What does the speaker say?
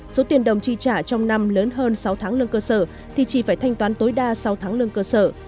số tiền đồng chi trả trong năm lớn hơn sáu tháng lương cơ sở thì chỉ phải thanh toán tối đa sáu tháng lương cơ sở